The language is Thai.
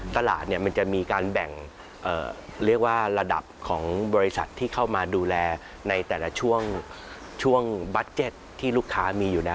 ตลาดมันจะมีการแบ่งเรียกว่าระดับของบริษัทที่เข้ามาดูแลในแต่ละช่วงบัสเก็ตที่ลูกค้ามีอยู่แล้ว